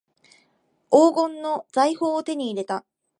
黄金の財宝を手に入れた